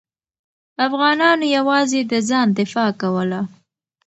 افغانانو یوازې د ځان دفاع کوله.